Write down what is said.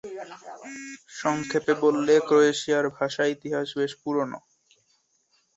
সংক্ষেপে বললে ক্রোয়েশিয়ার ভাষা-ইতিহাস বেশ পুরোনো।